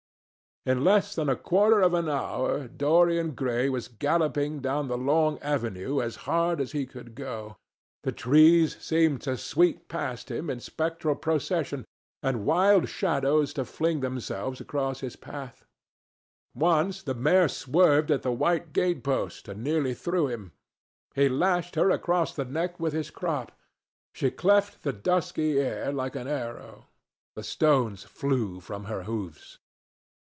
In less than a quarter of an hour, Dorian Gray was galloping down the long avenue as hard as he could go. The trees seemed to sweep past him in spectral procession, and wild shadows to fling themselves across his path. Once the mare swerved at a white gate post and nearly threw him. He lashed her across the neck with his crop. She cleft the dusky air like an arrow. The stones flew from her hoofs.